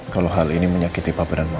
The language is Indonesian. kalau hal ini menyakiti papa dan mama